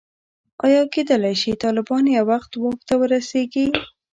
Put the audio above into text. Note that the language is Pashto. ایا کېدلای شي طالبان یو وخت واک ته ورسېږي.